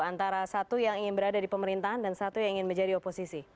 antara satu yang ingin berada di pemerintahan dan satu yang ingin menjadi oposisi